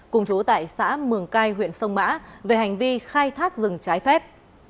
cùng chú tại xã mường cai huyện sông mã về hành vi khai thác rừng trái phép